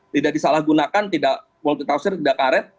tidak disalahgunakan tidak multitaksir tidak karet